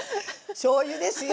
しょうゆですよ。